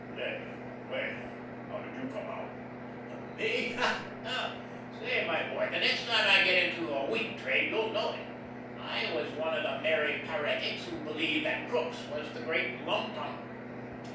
Say, by the way, how did you come out?" "Me! Hoh! Say my boy, the next time I get into a wheat trade you'll know it. I was one of the merry paretics who believed that Crookes was the Great Lum tum.